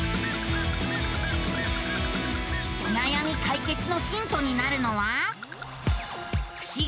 おなやみ解決のヒントになるのは。